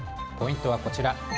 ポイントはこちら。